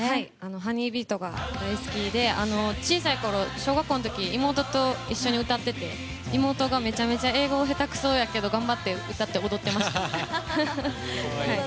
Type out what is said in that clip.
「ＨＯＮＥＹＢＥＡＴ」が大好きで、小さいころ小学校の時、妹と一緒に歌ってて妹が、めちゃめちゃ英語がへたくそやけど頑張って歌って踊ってました。